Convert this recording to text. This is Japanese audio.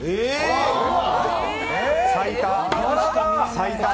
咲いた。